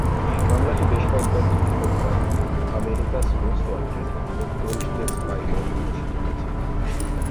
মামলাটি বেশ কয়েকবার TV programme "America's most wanted" ও "কোল্ড কেস ফাইলে" প্রদর্শিত হয়েছিল।